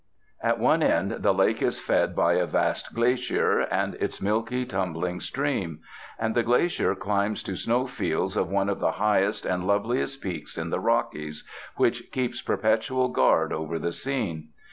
At one end the lake is fed by a vast glacier, and its milky tumbling stream; and the glacier climbs to snowfields of one of the highest and loveliest peaks in the Rockies, which keeps perpetual guard over the scene.